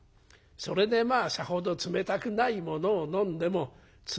それでまあさほど冷たくないものを飲んでも冷たく感じたのだな」。